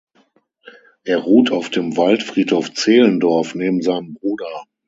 Er ruht auf dem Waldfriedhof Zehlendorf, neben seinem Bruder.